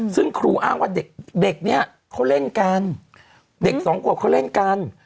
ซึ่งครูอ้างว่าเด็กเนี่ยเขาเล่นกันเด็กสองขวบเขาเล่นกัน